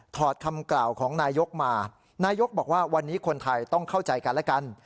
คำกล่าวของนายกมานายกบอกว่าวันนี้คนไทยต้องเข้าใจกันและกัน